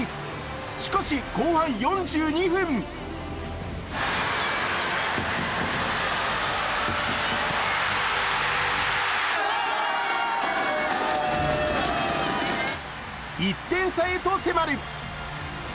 しかし後半４２分１点差へと迫る。